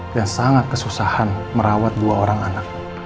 dan sangat kesusahan merawat buah orang anak